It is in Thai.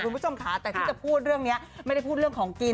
คุณผู้ชมค่ะแต่ที่จะพูดเรื่องนี้ไม่ได้พูดเรื่องของกิน